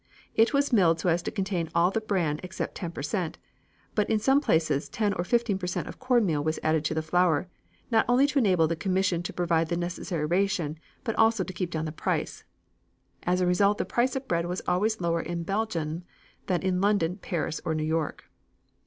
It was milled so as to contain all the bran except ten per cent, but in some places ten or fifteen per cent of cornmeal was added to the flour, not only to enable the commission to provide the necessary ration, but also to keep down the price. As a result the price of bread was always lower in Belgium than in London, Paris or New York.